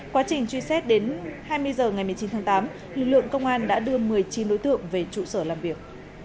quá trình truy xét đến hai mươi h ngày một mươi chín tháng tám lực lượng công an đã đưa một mươi chín đối tượng về trụ sở làm việc